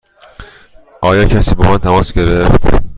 آیا کسی با من تماس گرفت؟